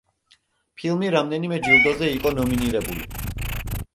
ფილმი რამდენიმე ჯილდოზე იყო ნომინირებული.